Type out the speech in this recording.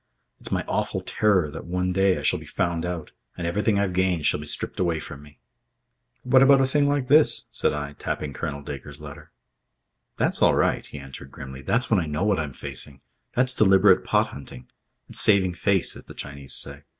It's my awful terror that one day I shall be found out and everything I've gained shall be stripped away from me." "But what about a thing like this?" said I, tapping Colonel Dacre's letter. "That's all right," he answered grimly. "That's when I know what I'm facing. That's deliberate pot hunting. It's saving face as the Chinese say.